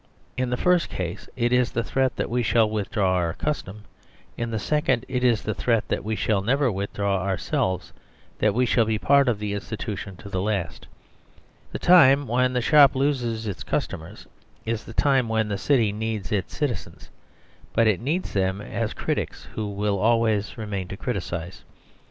In the first case it is the threat that we shall withdraw our custom; in the second it is the threat that we shall never withdraw ourselves; that we shall be part of the institution to the last The time when the shop loses its customers is the time when the city needs its citizens; but it needs The Superstition of Divorce 27 them as critics who will always remain to criticise.